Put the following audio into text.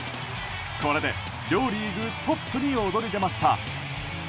これで両リーグトップに躍り出ました。